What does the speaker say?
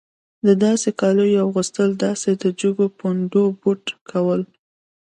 د داسې کالیو اغوستل داسې د جګو پوندو بوټ کول.